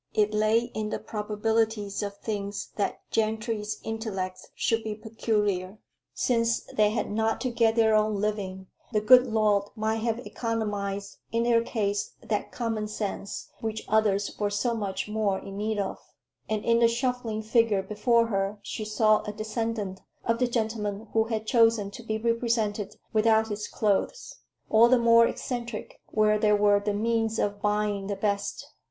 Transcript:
It lay in the probabilities of things that gentry's intellects should be peculiar: since they had not to get their own living, the good Lord might have economized in their case that common sense which others were so much more in need of; and in the shuffling figure before her she saw a descendant of the gentleman who had chosen to be represented without his clothes all the more eccentric where there were the means of buying the best.